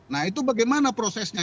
nah itu bagaimana prosesnya